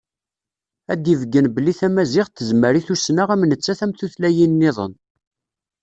Ad d-ibeggen belli tamaziɣt tezmer i tussna am nettat am tutlayin-nniḍen.